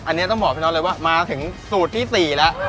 อันนี้ต้องบอกพี่น็อตเลยว่ามาถึงสูตรที่๔แล้ว